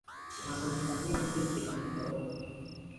ntaho bitaniye no kwisiga mukorogo